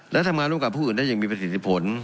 และทำงานร่วมกับผู้อื่นได้อย่างมีประสิทธิผล